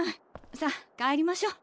さあ帰りましょう。